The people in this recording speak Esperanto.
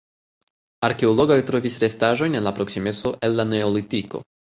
Arkeologoj trovis restaĵojn en la proksimeco el la neolitiko.